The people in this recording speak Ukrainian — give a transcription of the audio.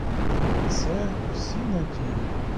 На це всі надії.